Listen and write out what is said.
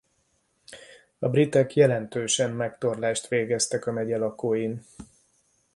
A britek jelentősen megtorlást végeztek a megye lakóin.